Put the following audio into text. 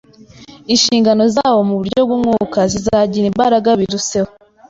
inshingano zabo mu by’umwuka zizagira imbaraga biruseho